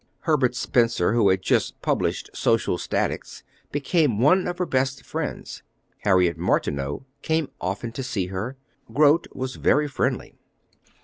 Herbert Spencer, who had just published Social Statics, became one of her best friends. Harriet Martineau came often to see her. Grote was very friendly.